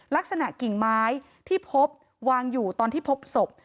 กิ่งไม้ที่พบวางอยู่ตอนที่พบศพ